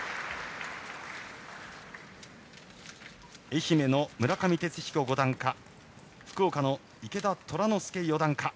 愛媛の村上哲彦五段か福岡の池田虎ノ介四段か。